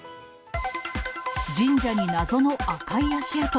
神社に謎の赤い足跡。